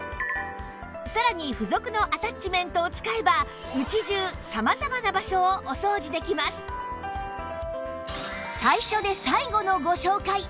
さらに付属のアタッチメントを使えば家中様々な場所をお掃除できます最初で最後のご紹介